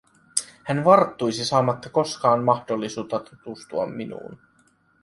Hän varttuisi saamatta koskaan mahdollisuutta tutustua minuun.